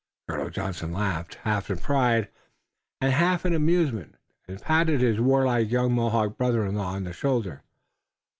Colonel Johnson laughed, half in pride and half in amusement, and patted his warlike young Mohawk brother in law on the shoulder.